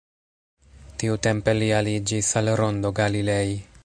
Tiutempe li aliĝis al Rondo Galilei.